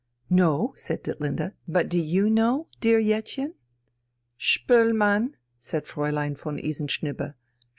"No," said Ditlinde, "but do you know, dear Jettchen?" "Spoelmann," said Fräulein von Isenschnibbe.